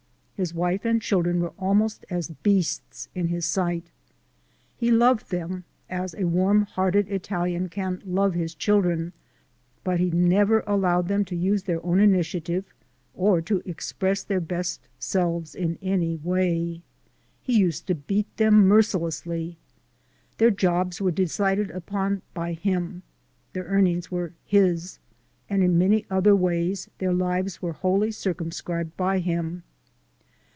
His wife and children were almost as beasts in his sight. He loved them as a warm hearted Italian can love his children, but he never allowed them to use their own initiative or to express their best selves in any way. He used to beat them mercilessly. Their jobs were decided upon by him; their earnings were his, and in many other ways their lives were wholly circumscribed by him.